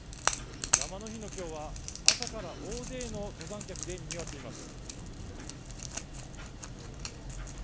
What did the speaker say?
山の日の今日は朝から大勢の登山客でにぎわっています。